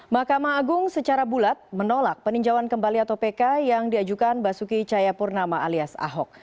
mahkamah agung secara bulat menolak peninjauan kembali atau pk yang diajukan basuki cayapurnama alias ahok